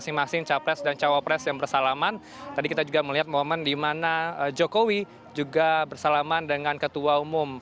ini adalah pilihan umum